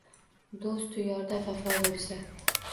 Do’stu yorda vafo bo’lsa